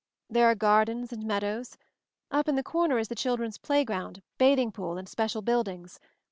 There are gardens and meadows. Up in the corner is the children's playground, bath ing pool, and special buildings.